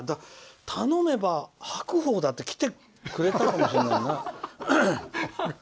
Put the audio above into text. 頼めば白鵬だって来てくれたかもしれないな。